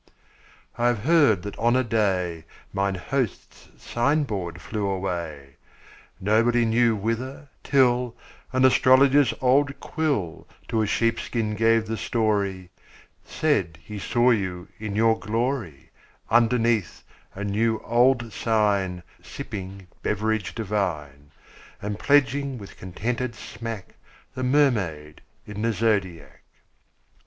I have heard that on a day Mine host's sign board flew away, Nobody knew whither, till An astrologer's old quill To a sheepskin gave the story, Said he saw you in your glory, Underneath a new old sign Sipping beverage divine, 20 And pledging with contented smack The Mermaid in the Zodiac.